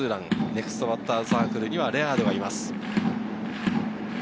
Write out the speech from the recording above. ネクストバッターズサークルには、レアードがいます。